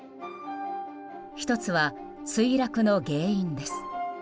１つは、墜落の原因です。